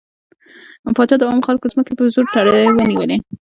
پاچا د عامو خلکو ځمکې په زور ترې ونيولې.